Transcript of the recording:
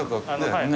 はい。